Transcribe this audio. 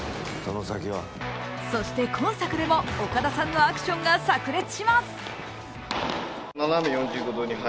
そして今作でも岡田さんのアクションがさく裂します。